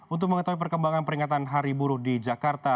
untuk mengetahui perkembangan peringatan hari buruh di jakarta